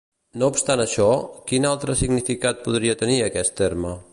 No obstant això, quina altre significat podria tenir aquest terme?